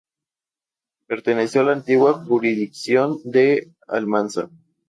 Perteneció a la antigua Jurisdicción de Almanza.